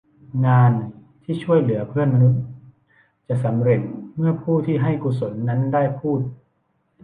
งานที่ช่วยเหลือเพื่อนมนุษย์จะสำเร็จเมื่อผู้ที่ให้กุศลนั้นได้พูด